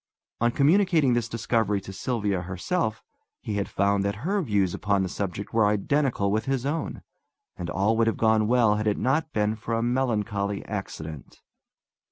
On communicating this discovery to Sylvia herself he had found that her views upon the subject were identical with his own; and all would have gone well had it not been for a melancholy accident.